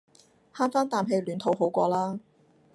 慳番啖氣暖肚好過啦